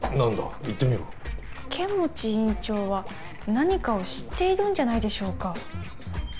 言ってみろ剣持院長は何かを知っているんじゃないでしょうか？